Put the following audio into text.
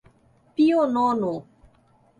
Pio Nono